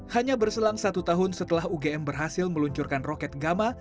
hanya berselang satu tahun setelah ugm berhasil meluncurkan roket gama